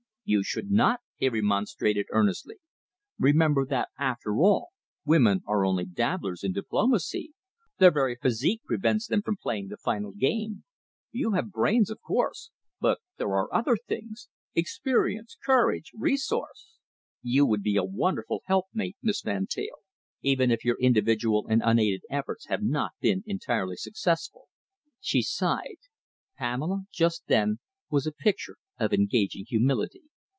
"You should not," he remonstrated earnestly. "Remember that, after all, women are only dabblers in diplomacy. Their very physique prevents them from playing the final game. You have brains, of course, but there are other things experience, courage, resource. You would be a wonderful helpmate, Miss Van Teyl, even if your individual and unaided efforts have not been entirely successful." She sighed. Pamela just then was a picture of engaging humility.